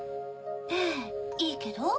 ええいいけど。